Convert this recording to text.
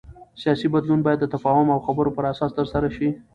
سیاسي بدلون باید د تفاهم او خبرو پر اساس ترسره شي